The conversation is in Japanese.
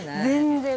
全然。